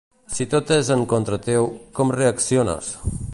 Si tot és en contra teu, com reacciones?